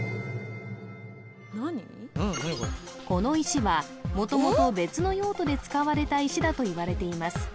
この石は元々別の用途で使われた石だといわれています